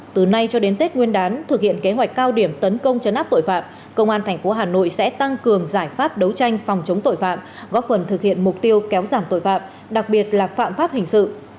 từ nay cho đến tết nguyên đán thực hiện kế hoạch cao điểm tấn công chấn áp tội phạm công an tp hà nội sẽ tăng cường giải pháp đấu tranh phòng chống tội phạm góp phần thực hiện mục tiêu kéo giảm tội phạm đặc biệt là phạm pháp hình sự